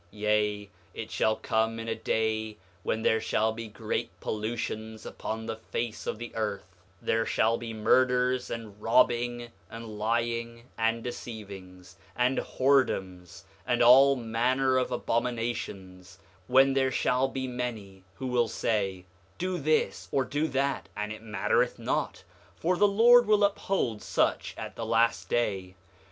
8:31 Yea, it shall come in a day when there shall be great pollutions upon the face of the earth; there shall be murders, and robbing, and lying, and deceivings, and whoredoms, and all manner of abominations; when there shall be many who will say, Do this, or do that, and it mattereth not, for the Lord will uphold such at the last day.